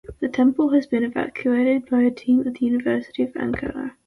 The temple has been excavated by a team of the University of Ankara.